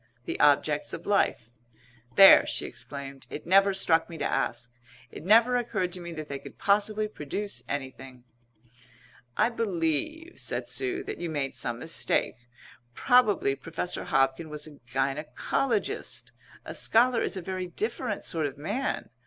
the objects of life. "There!" she exclaimed. "It never struck me to ask. It never occurred to me that they could possibly produce anything." "I believe," said Sue, "that you made some mistake. Probably Professor Hobkin was a gynæcologist. A scholar is a very different sort of man.